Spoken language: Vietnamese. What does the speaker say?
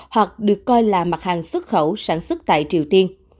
hoặc được coi là mặt hàng xuất khẩu sản xuất tại triều tiên